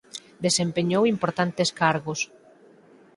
Desempeñou importantes cargos.